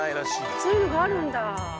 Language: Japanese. そういうのがあるんだ。